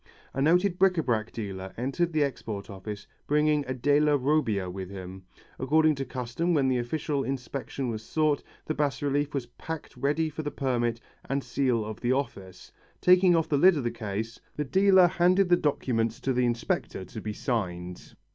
A noted bric à brac dealer entered the Export Office bringing a Della Robbia with him. According to custom when official inspection is sought, the bas relief was packed ready for the permit and seal of the office. Taking off the lid of the case, the dealer handed the documents to the inspector to be signed.